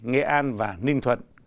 nghệ an và ninh thuận